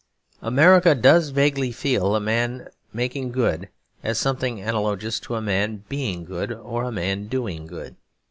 America does vaguely feel a man making good as something analogous to a man being good or a man doing good.